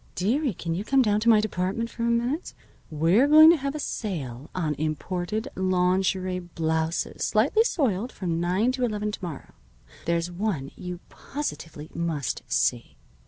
"Dearie, can you come down to my department for a minute? We're going to have a sale on imported lawnjerie blouses, slightly soiled, from nine to eleven to morrow. There's one you positively must see.